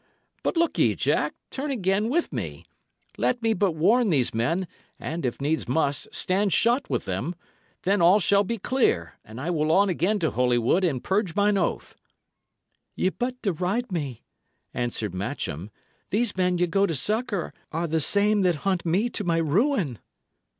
But look ye, Jack, turn again with me. Let me but warn these men, and, if needs must, stand shot with them; then shall all be clear, and I will on again to Holywood and purge mine oath." "Ye but deride me," answered Matcham. "These men ye go to succour are the I same that hunt me to my ruin."